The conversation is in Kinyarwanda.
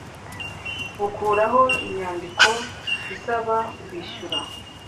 bukuraho inyandiko isaba kwishyura